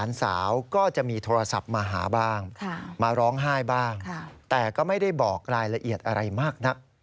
มาร้องไห้บ้างแต่ก็ไม่ได้บอกรายละเอียดอะไรมากนะ